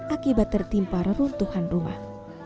akibat tertimpa reruntuhan rumah